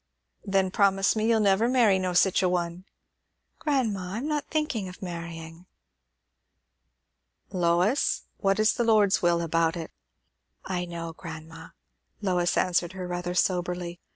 "Then promise me you'll never marry no sich a one." "Grandma, I'm not thinking of marrying." "Lois, what is the Lord's will about it?" "I know, grandma," Lois answered rather soberly.